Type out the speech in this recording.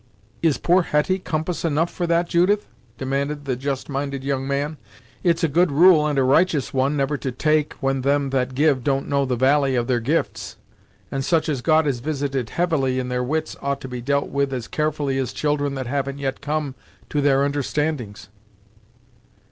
"Is poor Hetty compass enough for that, Judith?" demanded the just minded young man. "It's a good rule and a righteous one, never to take when them that give don't know the valie of their gifts; and such as God has visited heavily in their wits ought to be dealt with as carefully as children that haven't yet come to their understandings."